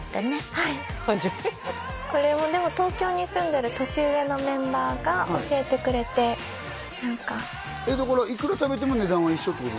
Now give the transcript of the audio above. はいこれもでも東京に住んでる年上のメンバーが教えてくれてだからいくら食べても値段は一緒ってことだよね？